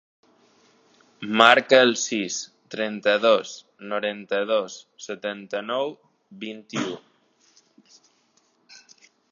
Marca el sis, trenta-dos, noranta-dos, setanta-nou, vint-i-u.